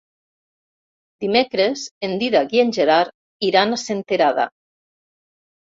Dimecres en Dídac i en Gerard iran a Senterada.